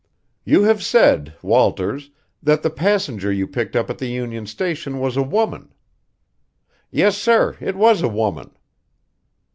"You have said, Walters, that the passenger you picked up at the Union Station was a woman." "Yes, sir, it was a woman."